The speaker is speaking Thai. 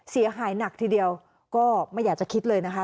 เสียหายหนักทีเดียวก็ไม่อยากจะคิดเลยนะคะ